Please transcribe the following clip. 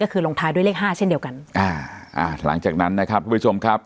ก็คือลงท้ายด้วยเลขห้าเช่นเดียวกันอ่าอ่าหลังจากนั้นนะครับทุกผู้ชมครับ